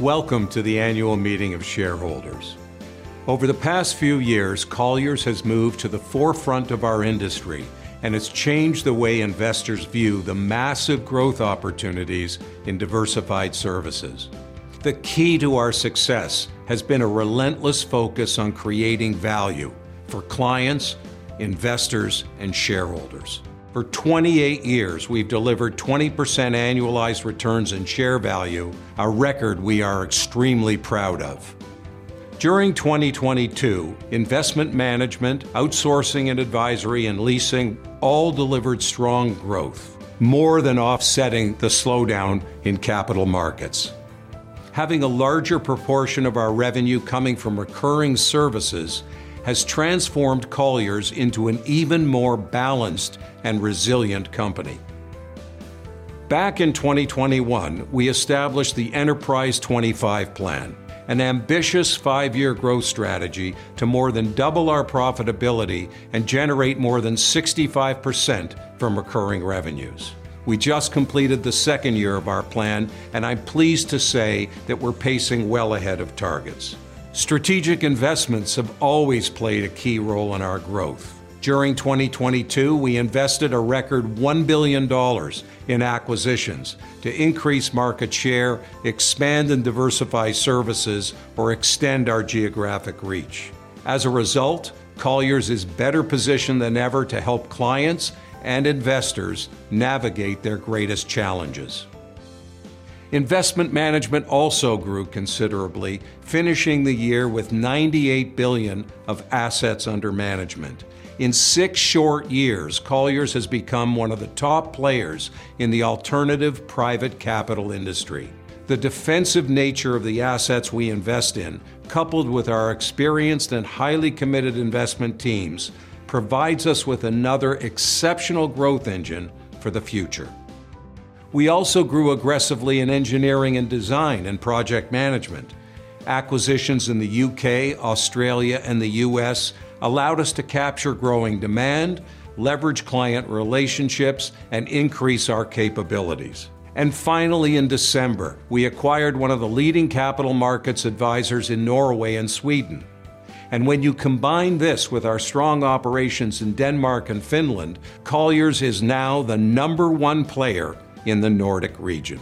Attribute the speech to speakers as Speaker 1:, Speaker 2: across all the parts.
Speaker 1: Welcome to the annual meeting of shareholders. Over the past few years, Colliers has moved to the forefront of our industry and has changed the way investors view the massive growth opportunities in diversified services. The key to our success has been a relentless focus on creating value for clients, investors, and shareholders. For 28 years, we've delivered 20% annualized returns in share value, a record we are extremely proud of. During 2022, investment management, outsourcing and advisory, and leasing all delivered strong growth, more than offsetting the slowdown in capital markets. Having a larger proportion of our revenue coming from recurring services has transformed Colliers into an even more balanced and resilient company. Back in 2021, we established the Enterprise 2025 Plan, an ambitious five-year growth strategy to more than double our profitability and generate more than 65% from recurring revenues. We just completed the second year of our plan, and I'm pleased to say that we're pacing well ahead of targets. Strategic investments have always played a key role in our growth. During 2022, we invested a record $1 billion in acquisitions to increase market share, expand and diversify services, or extend our geographic reach. As a result, Colliers is better positioned than ever to help clients and investors navigate their greatest challenges. Investment management also grew considerably, finishing the year with $98 billion of assets under management. In six short years, Colliers has become one of the top players in the alternative private capital industry. The defensive nature of the assets we invest in, coupled with our experienced and highly committed investment teams, provides us with another exceptional growth engine for the future. We also grew aggressively in engineering and design and project management. Acquisitions in the U.K., Australia, and the U.S. allowed us to capture growing demand, leverage client relationships, and increase our capabilities. Finally, in December, we acquired one of the leading capital markets advisors in Norway and Sweden. When you combine this with our strong operations in Denmark and Finland, Colliers is now the number one player in the Nordic region.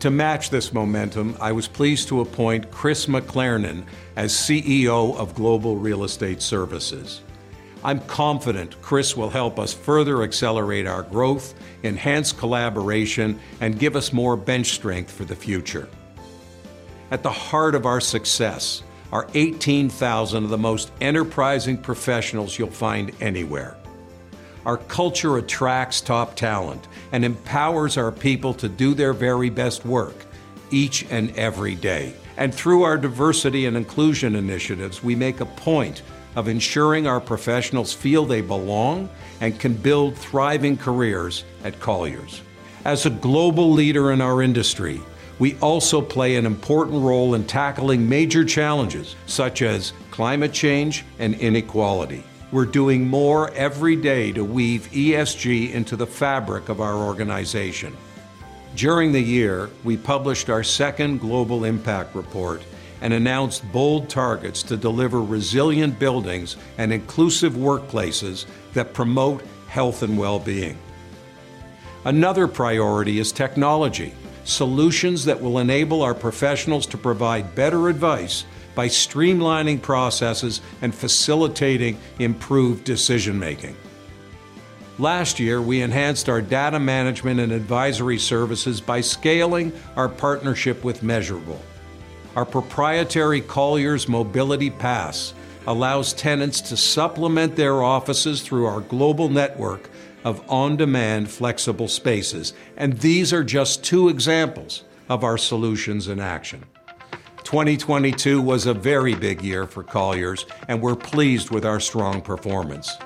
Speaker 1: To match this momentum, I was pleased to appoint Chris McLernon as CEO of Global Real Estate Services. I'm confident Chris will help us further accelerate our growth, enhance collaboration, and give us more bench strength for the future. At the heart of our success are 18,000 of the most enterprising professionals you'll find anywhere. Our culture attracts top talent and empowers our people to do their very best work each and every day. Through our diversity and inclusion initiatives, we make a point of ensuring our professionals feel they belong and can build thriving careers at Colliers. As a global leader in our industry, we also play an important role in tackling major challenges, such as climate change and inequality. We're doing more every day to weave ESG into the fabric of our organization. During the year, we published our second Global Impact Report and announced bold targets to deliver resilient buildings and inclusive workplaces that promote health and well-being. Another priority is technology, solutions that will enable our professionals to provide better advice by streamlining processes and facilitating improved decision-making. Last year, we enhanced our data management and advisory services by scaling our partnership with Measurabl. Our proprietary Colliers Mobility Pass allows tenants to supplement their offices through our global network of on-demand flexible spaces, and these are just two examples of our solutions in action. 2022 was a very big year for Colliers, and we're pleased with our strong performance.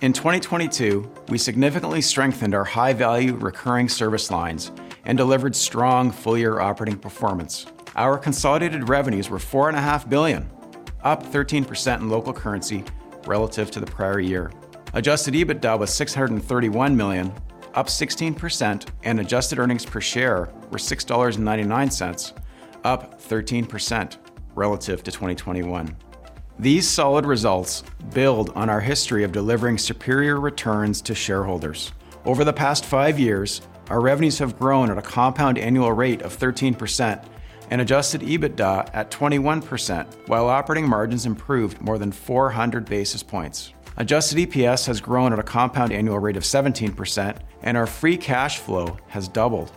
Speaker 2: In 2022, we significantly strengthened our high-value recurring service lines and delivered strong full-year operating performance. Our consolidated revenues were $4.5 billion, up 13% in local currency relative to the prior year. Adjusted EBITDA was $631 million, up 16%, and adjusted earnings per share were $6.99, up 13% relative to 2021. These solid results build on our history of delivering superior returns to shareholders. Over the past five years, our revenues have grown at a compound annual rate of 13% and adjusted EBITDA at 21%, while operating margins improved more than 400 basis points. Adjusted EPS has grown at a compound annual rate of 17%, and our free cash flow has doubled.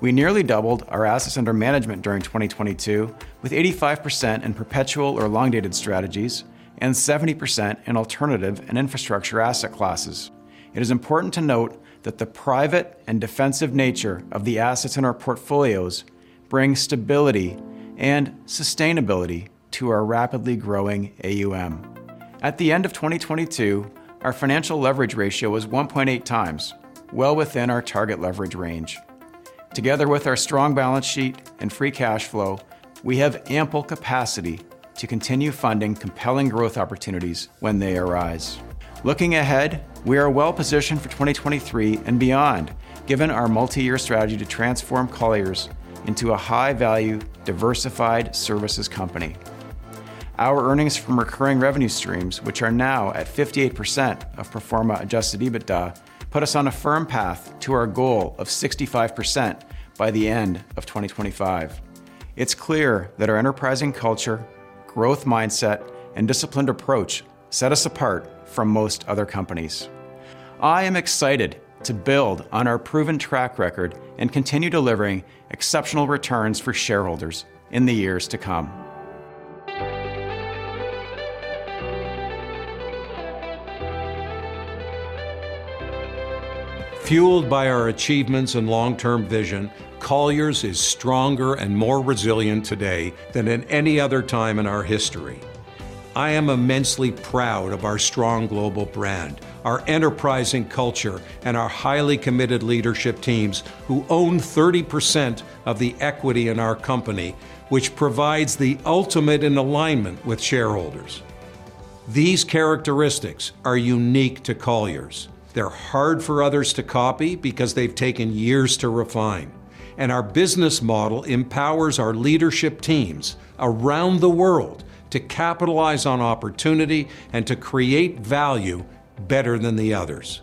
Speaker 2: We nearly doubled our assets under management during 2022, with 85% in perpetual or long-dated strategies and 70% in alternative and infrastructure asset classes. It is important to note that the private and defensive nature of the assets in our portfolios brings stability and sustainability to our rapidly growing AUM. At the end of 2022, our financial leverage ratio was 1.8 times, well within our target leverage range. Together with our strong balance sheet and free cash flow, we have ample capacity to continue funding compelling growth opportunities when they arise. Looking ahead, we are well positioned for 2023 and beyond, given our multi-year strategy to transform Colliers into a high value, diversified services company. Our earnings from recurring revenue streams, which are now at 58% of pro forma adjusted EBITDA, put us on a firm path to our goal of 65% by the end of 2025. It's clear that our enterprising culture, growth mindset, and disciplined approach set us apart from most other companies. I am excited to build on our proven track record and continue delivering exceptional returns for shareholders in the years to come.
Speaker 1: Fueled by our achievements and long-term vision, Colliers is stronger and more resilient today than at any other time in our history. I am immensely proud of our strong global brand, our enterprising culture, and our highly committed leadership teams who own 30% of the equity in our company, which provides the ultimate in alignment with shareholders. These characteristics are unique to Colliers. They're hard for others to copy because they've taken years to refine, and our business model empowers our leadership teams around the world to capitalize on opportunity and to create value better than the others.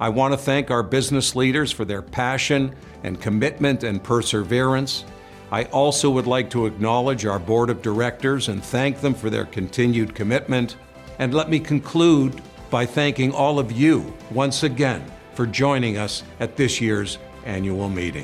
Speaker 1: I want to thank our business leaders for their passion and commitment and perseverance. I also would like to acknowledge our board of directors and thank them for their continued commitment. Let me conclude by thanking all of you once again for joining us at this year's annual meeting.